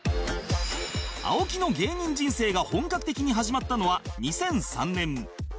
青木の芸人人生が本格的に始まったのは２００３年